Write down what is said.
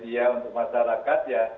ke media untuk masyarakat ya